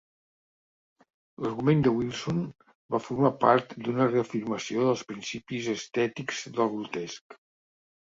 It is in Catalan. L'argument de Wilson va formar part de una reafirmació dels principis estètics del grotesc.